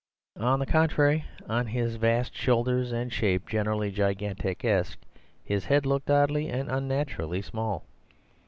On the contrary, on his vast shoulders and shape generally gigantesque, his head looked oddly and unnaturally small.